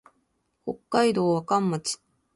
北海道和寒町